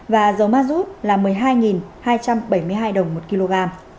và dầu ma rút là một mươi hai hai trăm bảy mươi hai đồng một kg